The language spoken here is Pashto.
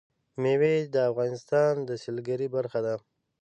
مېوې د افغانستان د سیلګرۍ برخه ده.